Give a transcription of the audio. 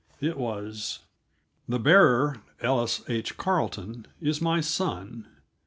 It was: The bearer, Ellis H. Carleton, is my son.